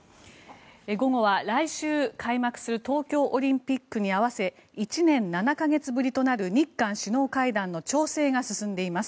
午後は来週開幕する東京オリンピックに合わせ１年７か月ぶりとなる日韓首脳会談の調整が進んでいます。